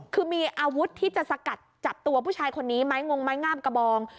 คือมีอาวุธที่จะสกัดจับตัวผู้ชายคนนี้ไม้งงไม้งามกระบอง